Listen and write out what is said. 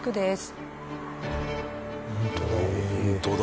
ホントだ。